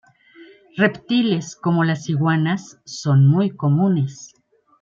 Reptiles como las iguanas son muy comunes.